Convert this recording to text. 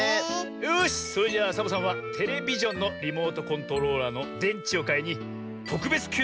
よしそれじゃあサボさんはテレビジョンのリモートコントローラーのでんちをかいにとくべつきゅう